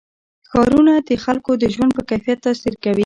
ښارونه د خلکو د ژوند په کیفیت تاثیر کوي.